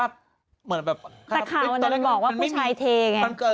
แต่ข่าวนั้นบอกว่าผู้ชายเทไง